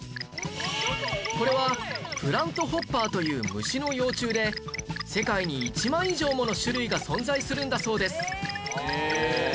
これはプラントホッパーという虫の幼虫で世界に１万以上もの種類が存在するんだそうです